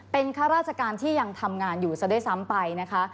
เป็นข้าราชการที่ยังทำงานอยู่ซะด้วยซ้ำไปนะคะ